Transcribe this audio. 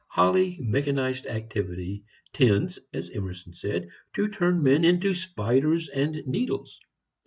Highly mechanized activity tends as Emerson said to turn men into spiders and needles.